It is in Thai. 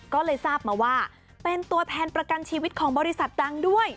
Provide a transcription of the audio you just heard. ก็เลยทราบมาว่าเป็นตัวแทนประกันชีวิตของบริษัทดังด้วย